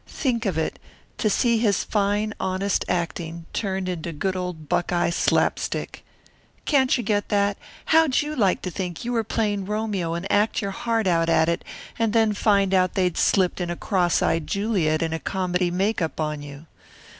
Think of it to see his fine honest acting turned into good old Buckeye slap stick! Can't you get that? How'd you like to think you were playing Romeo, and act your heart out at it, and then find out they'd slipped in a cross eyed Juliet in a comedy make up on you?